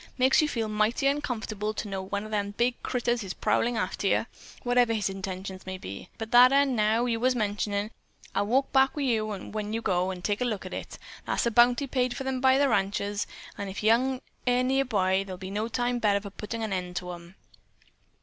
Makes you feel mighty uncomfortable to know one of them big critters is prowlin' arter you, whatever his intentions may be. But that 'un, now, you was mentionin', I'll walk back wi' you, when you go, an' take a look at it. Thar's a bounty paid for 'em by the ranchers. An' if young air near by, there'll be no time better for puttin' an end to 'em."